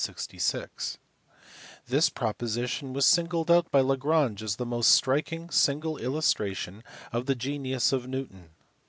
66) : this proposition was singled out by Lagrange as the most striking single illustration of the genius of Newton.